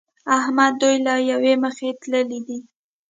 احمد دوی له يوې مخې تللي دي.